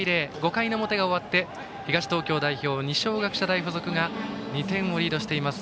５回表が終わって東東京代表の二松学舎大付属が２点をリードしています。